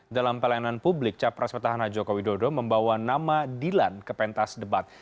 dalam pelayanan publik capras petahana joko widodo membawa nama dilan ke pentas debat